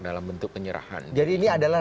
dalam bentuk penyerahan jadi ini adalah